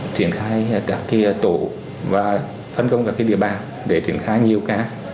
triển khai các tổ và phân công các địa bàn để triển khai nhiều ca